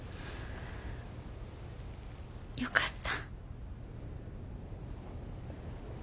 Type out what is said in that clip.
よかった。